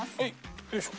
よいしょ！